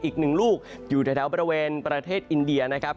อีกหนึ่งลูกอยู่แถวบริเวณประเทศอินเดียนะครับ